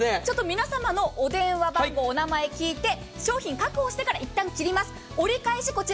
皆様のお電話番号、お名前聞いて、商品、確保してから一旦、切ります。